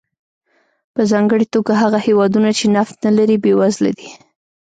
په ځانګړې توګه هغه هېوادونه چې نفت نه لري بېوزله دي.